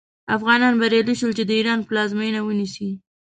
افغانان بریالي شول چې د ایران پلازمینه ونیسي.